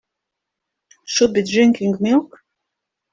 Should be drinking milk.